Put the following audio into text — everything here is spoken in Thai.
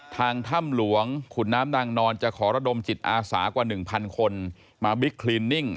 ทางถ้ำหลวงขุนน้ำนางนอนจะขอระดมจิตอาสากว่า๑๐๐คนมาบิ๊กคลินนิ่ง